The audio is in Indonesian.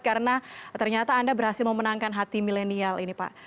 karena ternyata anda berhasil memenangkan hati milenial ini pak